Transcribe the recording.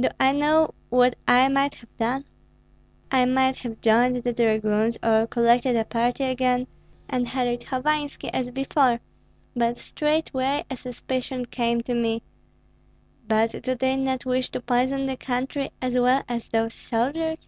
Do I know what I might have done? I might have joined the dragoons, or collected a party again, and harried Hovanski as before. But straightway a suspicion came to me: 'But do they not wish to poison the country as well as those soldiers?'